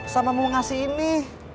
sama mau ngasih ini